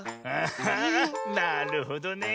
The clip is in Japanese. あなるほどねえ。